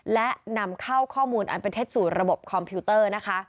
และนำเข้าข้อมูลอันเป็นเท็จสู่ระบบคอมพิวเตอร์นะคะ